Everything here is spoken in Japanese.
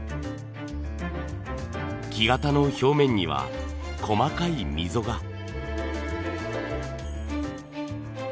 木型の表面には細かい溝が。